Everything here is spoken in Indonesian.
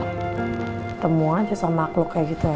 ketemu aja sama klub kayak gitu ya